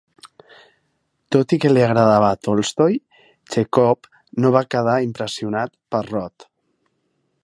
Tot i que li agradava Tolstoi, Txékhov no va quedar impressionat per Rod.